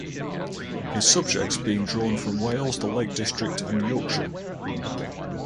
His subjects being drawn from Wales, the Lake district, and Yorkshire.